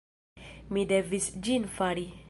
Mi devis ĝin fari.